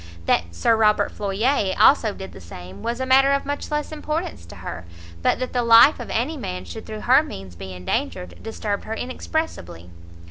That Sir Robert Floyer also did the same was a matter of much less importance to her, but that the life of any man should through her means be endangered, disturbed her inexpressibly.